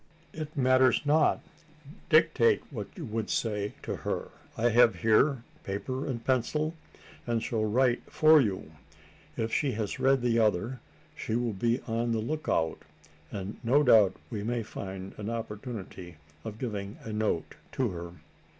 "It matters not: dictate what you would say to her. I have here paper and pencil; and shall write for you. If she has read the other, she will be on the look out and no doubt we may find an opportunity of giving a note to her."